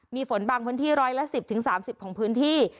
มีฝนบางพื้นที่๑๑๐๓๐ของพื้นที่